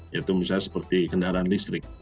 yaitu misalnya seperti kendaraan listrik